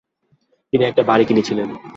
তিনি একটি বাড়ি কিনেছিলেন।